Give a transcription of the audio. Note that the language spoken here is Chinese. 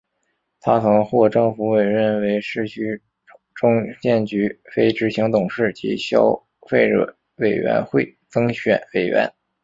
他曾获政府委任为市区重建局非执行董事及消费者委员会增选委员。